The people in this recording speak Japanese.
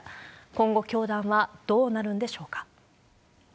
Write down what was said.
今後、教団はどうなるんでしょうか。